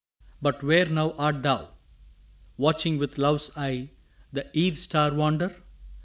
3 But where now art thou? Watching with love's eye The eve star wander?